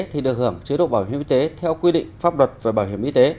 thì được hưởng chế độ bảo hiểm y tế theo quy định pháp luật về bảo hiểm y tế